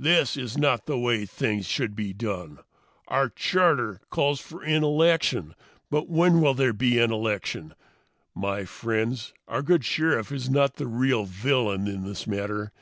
"This is not the way things should be done. Our charter calls for an election but when will there be an election? My friends, our good Sheriff is not the real villain in this matter.